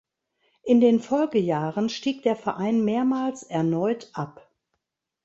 In den Folgejahren stieg der Verein mehrmals erneut ab.